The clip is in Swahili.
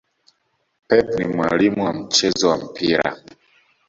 pep ni mwalimu wa mchezo wa mpira